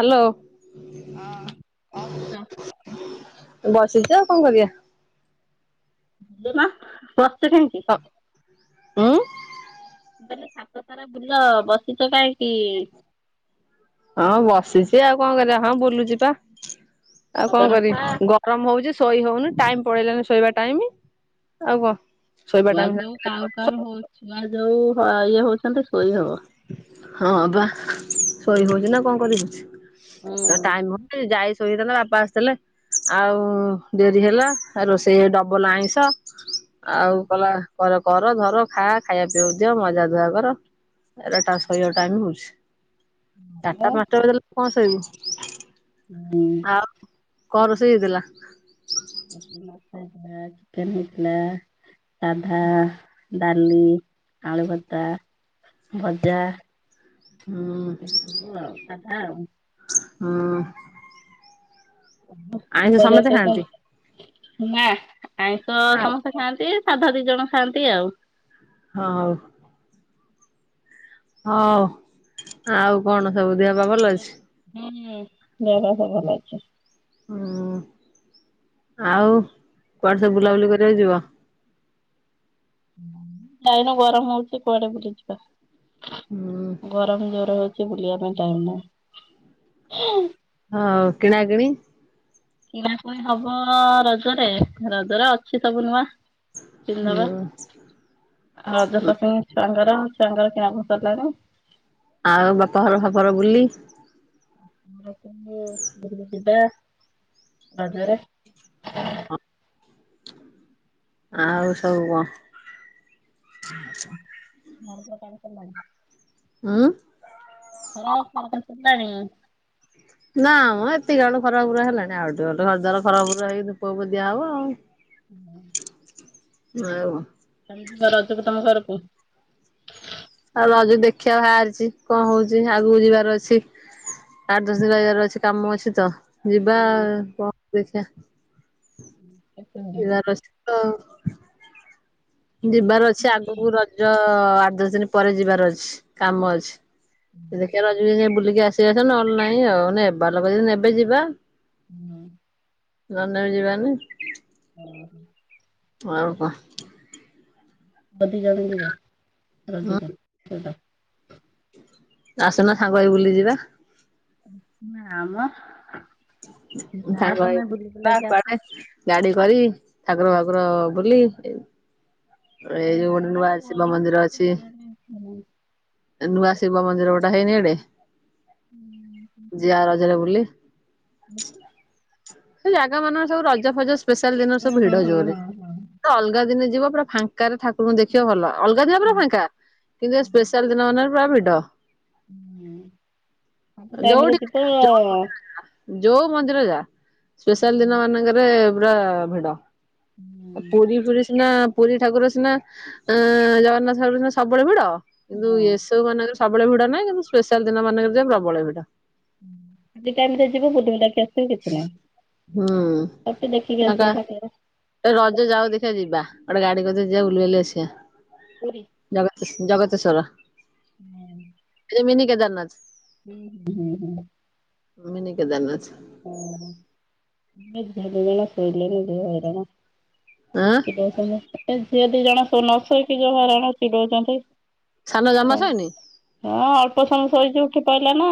Hello କଁ କରୁଚ? ବସିଚି ଆଉ କଣ କରିବା। ବସିଚ କାଇଁ କି? [unintelligible] ହ ଉଁ? ମୁ କଲି ଛାତ ସାରା ବୁଲ ବସିଚ କାଇଁକି? ହଁ ବସିଚି ଆଉ କଣ କରିବା ହଁ ବୁଲୁଚି ପା ଆଉ କଣ ପବନ ଖା। କରିବି ଆରମ ହଉଚି ଶୋଇ ହଉନି ଟାଇମ ପଳେଇଲେଣିି ଶୋଇବା ଟାଇମ ଆଉ କ। ଶୋଇବା ଛୁଆ ଟାଇମ ଯୋଉ କାଉ [unintelligible] କାଉ ହଉ ଛୁଆ ଯୋଉ ଇଏ ହଉଚନ୍ତି ଶୋଇ ହବ। ହଁ ବା ଶୋଇ ହଉଚି ନା କଣ କରିହୋଉଚି। ହୁଁ ଟାଇମ ହେଉନି ଯାଇ ସୋଇହେଇଥାନ୍ତା ବାପା ଆସିଥିଲେ ଆଉ ଡେରି ହେଲା ଆ ରୋଷେଇ ଡବଲ ଆଇଁଷ। ଆଉ କଲା କର କର ଧର ଖା ଖାଇବା ପିଇବାକୁ ଦିଅ ମଜା ଧୁଆ କର। ଶୋଇବାକୁ ଟାଇମ ହଉଚି ଚାରିଟା ପାଞ୍ଚଟା ବଲେ କଣ ଶୋଇବୁ? ହୁଁ। ଆଉ କଣ ରୋଷେଇ ହେଇଥିଲା? [unintelligible] ଚିକେନ ହେଇଥିଲା। ସାଧା ଡାଲି ଆଳୁଭତା। ଭଜା ହୁଁ ଏସବୁ ଆଉ ସାଧା ଆଉ। ହୁଁ। ଆଇଁଷ ସମସ୍ତେ ଖାଆନ୍ତି? [unintelligible] ନା ଆଇଁଷ ସମସ୍ତେ ଖାଆନ୍ତି ସାଧା ଦି ଜଣ ଖାଆନ୍ତି ଆଉ। ହଁ ଉ ହଉ ଆଉ କଣ ସବୁ ଦେହ ବା ଭଲ ଅଛି? ହୁଁ ଦେହପା ସବୁ ଭଲ ଅଛି। ହୁଁ ଆଉ କୁଆଡେ ସବୁ ବୁଲାବୁଲି କରିବାକୁ ଯିବ? ଏଇନା ଗରମ ହଉଚି କୁଆଡେ ବୁଲିଯିବା। ହୁଁ ଗରମ ଜରେ ହଉ ଚି ବୁଲିବା ପାଇଁ ଟାଇମ୍ ନାହିଁ। ହଉ କିଣା କିିଣି? କିଣା କୁଣି ହବ ରଜରେ ରଜରେ ଅଛି ସବୁ ନୂଆ ପିନ୍ଦିଦବା। ହୁଁ ଆ ରଜ ସପିଂ ଛୁଆଙ୍କର ଛୁଆଙ୍କର କିଣା କୁଣି ସରିଲାଣି। ଆଉ ବାପା ଘର ଫାପ ଘର ବୁଲି [unintelligible] ଯିବା ରଜରେ। ଆଉ ସବୁ କଁ? [unintelligible] ଉଁ? [unintelligible] ନାମ ଏତିକା ବେଳୁ ଖରା ପୁରା ହେଲାଣି ଆଉ ଟିକେ ଗଲେ ଘର ଦୁଆର ଖରାପୁର ହେଇକି ଧୂପକୁ ଫୁପ ଦିଆ ହବ ଆଉ। ଆଉ କଁ? [unintelligible] ରଜକୁ ତମ ଘରକୁ? ଆଉ ରଜ ଦେଖିବା ବାହାରିଚି କଣ ହଉଚି ଆଗକୁ ଯିବାର ଅଛି। ଆଠ ଦଶ ଦିନ୍ ରହିବାର ଅଛି କାମ ଅଛି ତ। ଯିବା ଦି କଣ ଦେଖିବା ଯିବାର ଅଛି [unintelligible] ଯିବାର ଅଛି ଆଗକୁ ରଜ ଆଠ ଦଶ ଦିନ ପରେ ଯିବାର ଅଛି। କାମ ଅଛି। ଦେଖିଆ ରଜ କୁ ଜ ଜା ବୁଲିକି ଆ ଚେୟସ ନହେଲେ ନାହିଁ ଆଉ ନେବା ଲୋକ ଯଦି ନେବେ ଯିବା। ହୁଁ। ନ ନେବେ ଯିବାନି? ଆଉ କ ହୁଁ [unintelligible] ଆସୁନ ସାଙ୍ଗ ହେଇ ବୁଲି ଯିବା? ନାଁ ମ ଯାଅ ସାଙ୍ଗ ହେଇ ତମେ କି ବୁଲି ଯିବା ବୁଲାକି ଆସ। କୁଆଡେ? ଗାଡି କରି ଠାକୁର ଫାକୁର ବୁଲି ଏଇ ଯୋଉ ନା ଗୋଟେ ନୂଆ ଶିବ ଗରମ ମନ୍ଦିର ହଉଛି ଅଛି। ବୁଲିବା ପାଇଁ ଇଚ୍ଛା ନାହିଁ। ନୂଆ ଶିବ ମନ୍ଦିର ଗୋଟେ ହେଇନି ଏଡେ ଯିଆ ରଜରେ ବୁଲି। ସେ ଜାଗା ମାନଙ୍କ ରେ ସବୁ ରଜ ଫଜ ସ୍ପେଆଲ୍ ଦିନ ହୁଁ ସବୁ ହୁଁ ଭିଡ ଜୋରେ ହୁଁ ହୁଁ ଅଲଗା ଦିନ ଯିବ ପୁରା ଫା ଫାଙ୍କା ରେ ଠାକୁରଙ୍କୁ ଦେଖିବ ଭଲ। ଅଲଗା ଦିନ ପୁରା ଫାଙ୍କା କିନ୍ତୁ ଏ ସ୍ପେଶାଲ ଦିନ ମାନ ପୁରା ଭିଡ। ଯୋଉଠି ଟାଇମରେ ଯିବ ଯୋଉ ମନ୍ଦିର ଯା ଯୋଉ ମନ୍ଦିର ଯା ସ୍ପେଶାଲ ଦିନ ମାନଙ୍କରେ ପୁରା ଭିଡ। ପୁରୀ ଫୁରୀ ସିନା ପୁରୀ ଠାକୁର ସିନା ଅ ଜଗନ୍ନାଥ ଠାକୁର ସିନା ସବୁବେଳେ ଭିଡ। କିନ୍ତୁ ହଁ। ଏସବୁ ମାନଙ୍କର ସବୁବେଳେ ଭିଡା ନାହିଁ କିନ୍ତୁ ସ୍ପେଶାଲ ଦିନ ମାନଙ୍କରେ ପ୍ରବଳ ଭିଡ। ଖାଲି ଟାଇମ ରେ ଯିବୁ ବୁଲିବୁଲାକି ଆସ୍ କିଛି ହୁଁ। ନାହିଁ ଆ ଟିକେ ଦେଖିକି ଫାଙ୍କା ଆସିବ ଠାକୁର୍। ରଜ ଯାଉ ଦେଖିବା ଯିବା ଗୋଟେ ଗାଡି କରିି ଯିବା ବୁଲିବୁଲାକି ଆସିବା। ପୁରୀ ଜଗତେ ଜଗତେସ୍ୱର। ହୁଁ। ଏଇ ମିନି କେଦାରନାଥ ଉଁ ହୁଁ ହୁଁ। ମିନି କେଦାରନାଥ। ହଁ [inaudible] ଆଁ ଚିଡଉଛନ୍ତି ଏ ଝିଅ ଦି ଜଣ ନ ଶୋଇକି ଯୋଉ ହଇରାଣ ଚିଡଉଛନ୍ତି ସାନ ଜମା ହଁ ସୋଇନି? ହଁ ଅଳ୍ପ ସମୟ ଶୋଇକି ଉଠି ପଇଲା ନା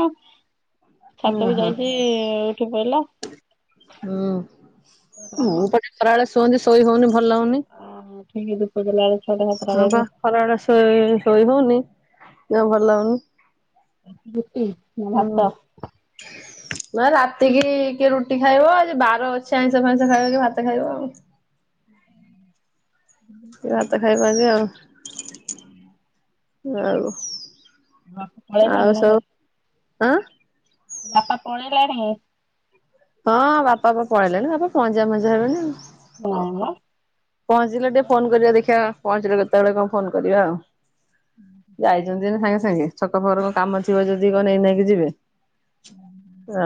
ଛାତ କୁ ଓହୋ। ଯାଇଛି ଉଠିପଇଲା ହୁଁ ମୁଁ ପା ଖେତ୍ରାବେଳେ ଶୁଅନ୍ତି ଶୋଇ ହଉନି ଭଲ ଲାଗୁନି। ଓହୋ ଠିକ ଧୂପ ଦେଲା ବେଳକୁ ଛୁଅଟା ସା ହଁ ବା ଖରା ବେଳେ ଶୋଇ ଶୋଇ ହଉନି ଯମା ଭଲ ଲାଗୁନି। ରୁଟି ନା ହୁଁ। ଭାତ? ନା ରାତିକି କିଏ ରୁଟି ଖାଇବ ଆଜି ବାର ଅଛି ଆଇଁଷ ଫାଇଁସ ଖାଇବ କିଏ ଭାତ ଖାଇବ ଆଉ। ହୁଁ କିଏ ଭାତ ଖାଇବା ଆଜି ଆଉ ଆଉ ପଳେଇଲାଣି ଆଉ ନା ସବୁ କଣ? ଆଁ ବାପା ପଳେଇଲାଣି? ହଁ ବାପା ପା ପଳେଇଲେନି ବାପା ପହଂଚିବା ପହଂଚିବା ହେବେଣି ଆଉ। ହଁ ବା ପହଞ୍ଚିଲେ ଟିକେ ଫୋନ କରିବା ଦେଖିବା ପହଞ୍ଚିଲେ କେତେବେଳେ କଣ ଫୋନ କରିବା ଆଉ ଯାଇ ଯାଇଁ ଥିବେ ସାଙ୍ଗେ ସାଙ୍ଗେ ଛକ ଫକ ରେ କଣ କାମ ଥିବ ଯଦି କଣ ନେଇ ନାଇକି ଯିବେ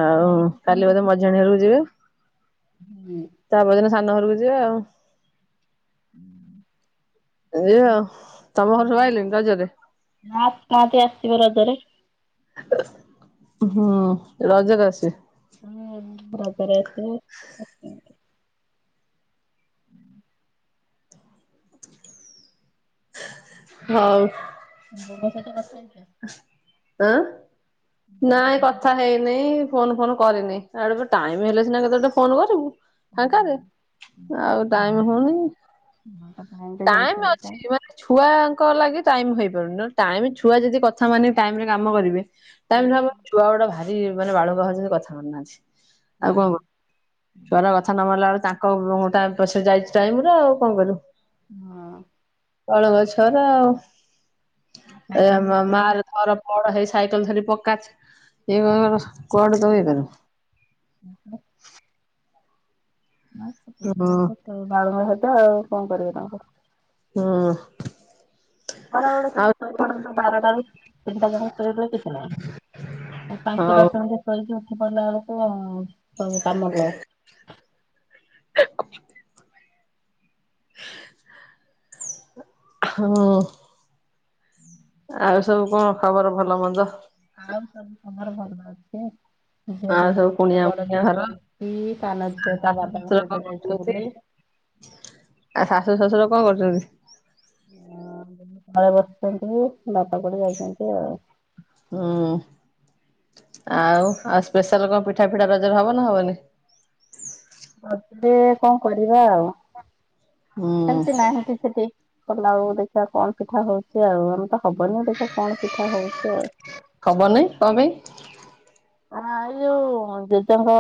ଆଉ ଘରକୁ କାଲି ବୋଧେ ମଝିଆଣି ହରକୁ ଯିବେ? ହୁଁ। ତା ପର ଦିନ ସାନ ଘରକୁ ଯିବେ ଆଉ। ହୁଁ ଏଇୟା ଆଉ, ତମ ଘରେ ସବୁ ଆଇଲେଣି ରଜରେ? ନା ଆସିନାହାନ୍ତି ଆସିବେ ରଜରେ। ହୁଁ ରଜରେ ଆସିବେ? ହୁଁ ରଜରେ ଆସିବେ। ହଉ। ତମ ବୋଉଙ୍କ ସହିତ କଥା ହେଇଛ? ଆଁ? ନାଇଁ କଥା ହେଇନି ଫୋନ ଫୋନ କରିନି ଆଡେ ଟାଇମ ହେଲେ ସିନା କେତେବେଳେ ଗୋଟେ ଫୋନ କରିବୁ। ଫାଙ୍କାରେ, ଆଉ ଟାଇମ ହଉନି ବାଳୁଙ୍ଗା ଟାଇମ ସହିତ ଅଛି ମାନେ ଛୁଆଙ୍କ ଲାଗି ଟାଇମ୍ ହେଇପାରୁନି ନହେଲେ ଟାଇମ୍ ଛୁଆ ଯଦି କଥା ମାନି ଟାଇମରେ କାମ କରିବେ ଟାଇମ୍ ହେବ, ଛୁଆଗୁଡା ଭାରି ମାନେ ବାଳୁଙ୍ଗା ହଉଛନ୍ତି କଥା ମାନୁନାହାନ୍ତି। ଆଉ କଣ ଛୁଆଗୁରା ବା କଥା ନ ମାନିଲା ବେଳକୁ ତାଙ୍କ ଟା ପଛେ ଯାଇଛି ଟାଇମଗୁରା ଆଉ କଣ କରିବୁ ହଁ ବାଳୁଙ୍ଗା ଛୁଆଗୁରା ଆଉ, ଏଇ ଆମ ମାଆର ତାର କଣ ହେଇ ସାଇକେଲ ଧରି ପକା ଏ [unintelligible] କୁଆଡୁ ତୁ ଇଏ କରିବୁ ଉଁ ହୁଁ ନାଇଁ ଛୋଟ ହୁଁ ଛୁଆଗୁଡା ତ [inaudible] ବାଳୁଙ୍ଗା ହେବେ ଆଉ କଣ କରିବ ତାଙ୍କୁ ହୁଁ। ଖରାବେଳେ ସିନା ଆଉ ଶୋଇ ପଡନ୍ତେ ବାରଟାରୁ ତିନିଟା ଯାଏଁ ଶୋଇପଇଲେ କିଛି ନାହିଁ। ପାଞ୍ଚ ହଉ ଦଶ ମିନିଟ୍ ଶୋଇକି ଉଠି ପଇଲା ବେଳକୁ ଆଉ ସବୁ କାମ ଲେଟ୍ [inaudible] ହଁଅ। ଆଉ ସବୁ କଣ ଖବର ଭଲ ମନ୍ଦ? ଆଉ ସବୁ ତମର ଭଲ ଅଛି? ଝିଅଟେ ଆଉ ସବୁ ସେ କୁଣିଆ ବଡ ମୁଣିଆ ଝିଅ ଘର ଶୋଇଛି ସାନ ଝିଅ ତା ଶାଶୁ ବାବାଙ୍କ ଶଶୁର କଣ ସହିତ ଯାଇଛି କରୁଛନ୍ତି? ବୁଲି। ଆଉ ଶାଶୁ ଶଶୁର କଣ କରୁଛନ୍ତି? [inaudible] ତଳେ ବସିଛନ୍ତି ବାପା କୁଆଡ଼େ ଯାଇଛନ୍ତି ଆଉ। ହୁଁ। ଆଉ, ଆଉ ସ୍ପେଶାଲ୍ କଣ ପିଠାଫିଠା ରଜରେ ହବ ନା ହବନି? ରଜରେ କଣ କରିବା ଆଉ, ହୁଁ ସେମିତି ନାହିଁ କିଛି ଠିକ୍। କଲା ବେଳକୁ ଦେଖିବା କଣ ପିଠା ହଉଛି ଆଉ ଆମର ତ ହବନି ଦେଖିବା କଣ ପିଠା ହଉଛି ଆଉ‌। ହବ ନାଇଁ କଣ ପାଇଁ? ଆ ଇଏ ଯୋଉ ଜେଜଙ୍କ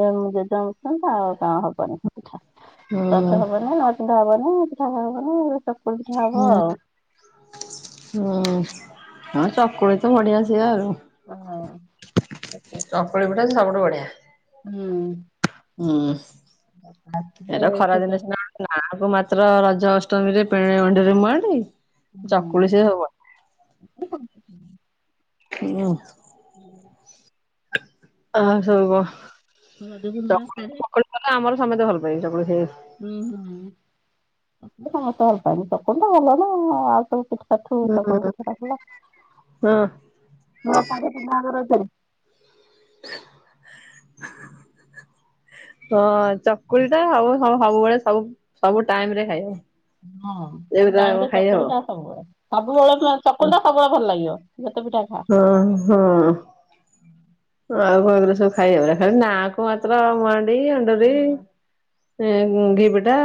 ଏ ଜେଜଙ୍କ [unintelligible] ଆଉ କଁ ହବନି ପିଠା। ହୁଁ ରଜ ହବନି, ନୁଆପିନ୍ଧା ହବନି, ପିଠା ହବନି [inaudible] ହୁଁ। ଆଉ। ହୁଁ, ଆଁ ଚକୁଳି ତ ବଢିଆ ସେ ଆଉ। ଚକୁଳି ହଁଅ ପିଠା ସବୁଠୁ ବଢିଆ। ହୁଁ। ହୁଁ, ହଁ ଏରା ଖରା ରଜକୁ ଦିନେ ସିନା ନାଆଁକୁ ମାତ୍ର ରଜ ଅଷ୍ଟମୀରେ ପେଡିଅଣ୍ଢିରେ ମୁଆଣ୍ଡି ଚକୁଳି ସେ ହବ। ହୁଁ। ହୁଁ। ଆଉ କଣ ସବୁ କହ? ନୂଆ ଶାଢ଼ୀ ଚକୁଳି ପିଠା ଆମର ସମସ୍ତେ ଭଲ ପାଇବେ ଚକୁଳି ଖାଇବାକୁ। ହୁଁ ହୁଁ, [inaudible] ସତକଥା ଚକୁଳିଟା ଭଲ ନା ଆଉ ସବୁ ପିଠ୍ ପ୍ରଥମେ ଚକୁଳି ହୁଁ। ପିଠାଟା ଭଲ, ହଁ ନୂଆ ଶାଢ଼ୀ ପିନ୍ଧା ହେବ ରଜରେ? [unintelligible] [unintelligible] ହଁଅ-ଅ ଚକୁଳିଟା ସବୁ ସବୁବେଳେ ସବୁ, ସବୁ ଟାଇମରେ ଖାଇବ। ହଁ ତାଙ୍କୁ ଏଗୁରା ଡାଇରେକ୍ଟ ଖାଇ ହବ। ଚକୁଳି ଟା ସବୁବେଳେ ସବୁବେଳେ ଚକୁଳିଟା ସବୁବେଳେ ଭଲ ଲାଗିବ ଯେତେ ପିଠା ଖା। ହଁ ହଁ। ଆଉ କଗରେ ସବୁ ଖାଇବ ନାକୁ ମାତ୍ର ହୁଁ। ମଡି ଅଣ୍ଡରି [inaudible] ଏଁ ଘିି ପିଠା।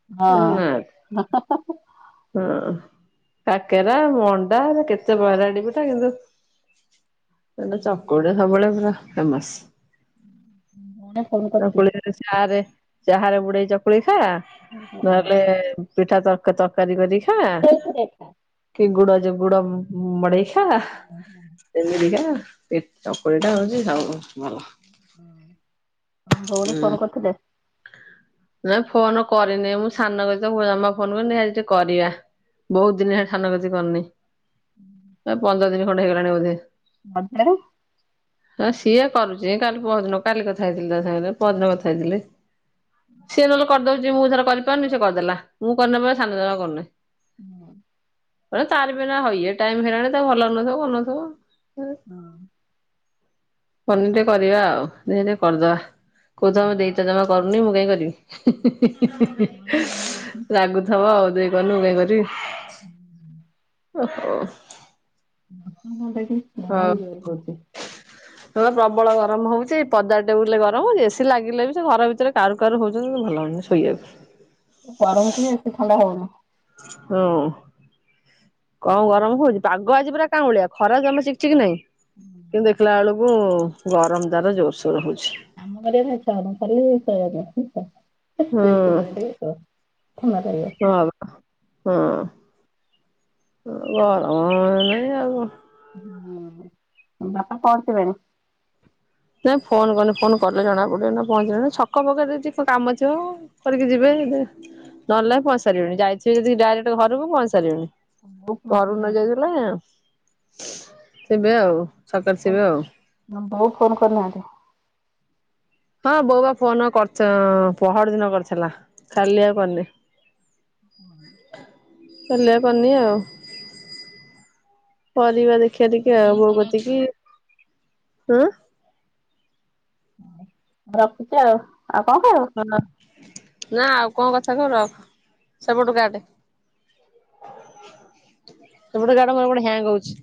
ହଁ। ହଁ କାକେରା ମଣ୍ଡା କେତେ ପ୍ରକାର ପିଟା କିନ୍ତୁ [inaudible] ଏଟା ଚକୁଳି ସବୁବେଳେ ପୁରା ଫେମସ୍। ମୁନା ଫୋନ କରିଥିଲେ। ସାରେ ଚାହାରେ ବୁଡେଇ ଚକୁଳି ଖା ହଁ। ନହେଲେ ପିଠା ତରକା ତର୍କ କରି କରି ଖା ସେଇଥିରେ ଖା। କି ଗୁଡ ଯ ଗୁଡ ମଡେଇ ଖା। ହ ହଁ ସେମିତିକା ଚକୁଳି ଟା ହଉଛି ସବୁ ଭଲ। ହୁଁ ତମ ଭଉଣୀ ଫୋନ କରିଥିଲେ? ନାଇଁ ଫୋନ କରିନି ମୁଁ ସାନ ଗତିକୁ ଜମା ଫୋନ କରି ଆଜି ଟିକେ କରିବା। ବହୁତ ଦିନ ହେଲାଣି ସାନ ଗତି କରିନି ପନ୍ଦର ଦିନ ଖଣ୍ଡେ ହେଇଗଲାଣି ବୋଧେ। ବାରେ [inaudible] ହଁ ସିଏ କରୁଛି କାଲି ପରଦିନ କାଲି କଥା ହେଇଥିଲି ତା ସାଙ୍ଗରେ ପରଦିନ କଥା ହେଇଥିଲେ। ହୁଁ ସେ ନହଲେ କରିଦଉଛି ମୁଁ ଥର କରିପାରୁନି ସେ କରିଦେଲା ମୁଁ କରିନବ ସାନ ଜମା କରିୁନି। ହୁଁ ତାରି ବି ଏଇନା ହଇ ଟାଇମ୍ ହେଲାଣି ତ ଭଲଲାଗୁ ନଥିବା କରୁନଥିବ। ହଁ। ପନିରି ଟେ କରିବା ଆଉ ଦେଖିଆ ଟିକେ କରଦବା କୋହୁଚି ଆମ ଦେଇତ ଜମା କରୁନି ମୁଁ କାଇ କରିବି ହିଁ ହିଁ ହିଁ ହିଁ ରାଗୁ ଥିବ ଆଉ ଦେଇ କରନି ମୁଁ କାଇ କରିବି। ହୁଁ ହୁଁ ଓହ। [unintelligible] ହଁ। ହ [inaudible] ସେ ପ୍ରବଳ ଗରମ ହଉଛି ଏଇ ପଦା ଟେବୁଲୁ ରେଗରମ ହଉଛି ଏସିି ଲାଗିଲେ ବି ସେ ଘର ଭିତରେ କାର ଗରମ ହଉଛି ତ ଭଲ ଲାଗୁନି ଶୋଇବାକୁ। ଗରମକୁ ବି ଏତେ ଥଣ୍ଡା ହଉନି। ହୁଁ। କମ୍ ଗରମ ହଉଛି ପାଗ ଆଜି ପୁରା କାଁଉଳିଆ ଖରା ଜମା ଚିକଚିକ୍ ନାଇଁ। କିନ୍ତୁ ଦେଖିଲା ବେଳକୁ ଗରମ ତାର ଜୋରସୋର ହଉଛି। ଆମ ଘରେ ହୁଁ [unintelligible] ଫନା କରିବ। ହଁ ବା ହଁ। ବଅନେଇ ଆଉ। ହୁଁ ବାପା ପହଞ୍ଚିଲେଣି। ନାଇଁ ଫୋନ କରିନି ଫୋନ କଲେ ଜଣା ପଡିବ ନା ପହଞ୍ଚିଲେଣି ଛକ ଫକ୍ ରେ ଯଦି କଣ କାମ ଥିବ? କରିକି ଯିବେ ନହେଲେ ପହଁଚିସାରିବେଣିି ଯାଇଥିବେ ଯଦି ଡାଇରେକ୍ଟ ଘରକୁ ପହଞ୍ଚିସରିବେନି। ବୋଉ ଫୋନ ଘରୁ ନ କରିନାହାନ୍ତି ଯାଇଥିଲେ ଥିବେ ଆଉ ଛକରେ ଥିବେ ଆଉ। ଆଉ ବୋଉ ଫୋନ କରିନାହାନ୍ତି? ହଁ ବୋଉ ଫୋନ କରିଥି ପହରିଦିନ କରିଥିଲା କାଲି ଆଉ କରିନି। ହୁଁ ହେଲେ ପନି ଆଉ ପରିବାରେ ଖ ଟିକି ଆବ କତିକି ହଁ ରଖୁଛି ଆଉ ଆଉ କଣ କହିବ? ନା ଆଉ କଣ କଥା ହେବି ରଖେ ସେପତୁ କାଟେ। ସେପଟେ କାଟ ମୋର ଏପଟେ ହ୍ୟାଙ୍ଗ ହଉଛି।